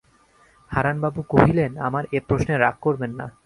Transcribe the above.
হারানবাবু কহিলেন, আমার এ প্রশ্নে রাগ করবেন না।